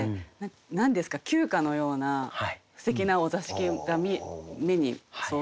何ですか旧家のようなすてきなお座敷が目に想像できまして。